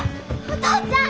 お父ちゃん！